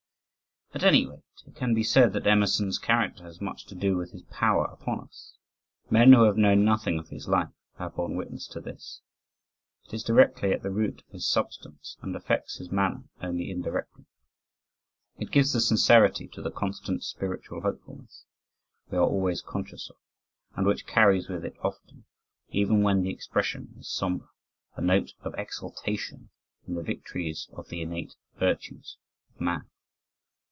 At any rate, it can be said that Emerson's character has much to do with his power upon us. Men who have known nothing of his life, have borne witness to this. It is directly at the root of his substance, and affects his manner only indirectly. It gives the sincerity to the constant spiritual hopefulness we are always conscious of, and which carries with it often, even when the expression is somber, a note of exultation in the victories of "the innate virtues" of man.